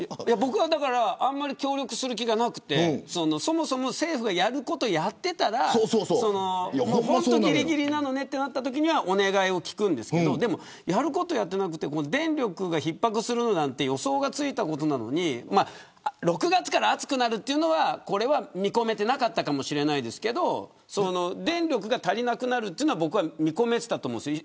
だからあんまり協力する気がなくてそもそも政府がやることやっていたら本当、ぎりぎりなのねとなったときにはお願いを聞くんですけどやることやってなくて電力ひっ迫するのなんて予想がついたことなのに６月から暑くなるっていうのはこれは見込めてなかったかもしれないですけど電力が足りなくなるというのは見込めていたと思うんですよ。